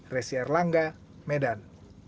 resi erlangga medan